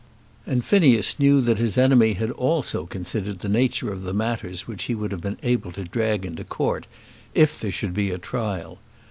And Phineas Finn knew that his enemy had also considered the nature of the matters which he would have been able to drag into Court if there should be a trial.